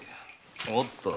おっと！